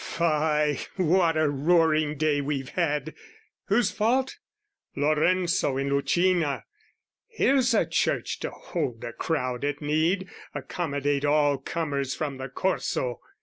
Fie, what a roaring day we've had! Whose fault? Lorenzo in Lucina, here's a church To hold a crowd at need, accommodate All comers from the Corso!